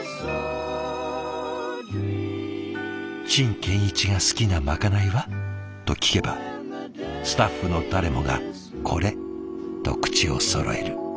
「陳建一が好きなまかないは？」と聞けばスタッフの誰もが「これ」と口をそろえる。